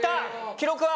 記録は？